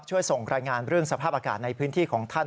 ช่วยส่งรายงานเรื่องสภาพอากาศในพื้นที่ของท่าน